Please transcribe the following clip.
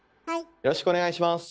よろしくお願いします。